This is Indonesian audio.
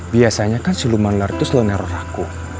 biasanya kan senuman ular itu selalu neror aku